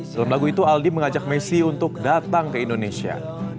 dalam lagu itu aldi mengajak messi untuk datang ke indonesia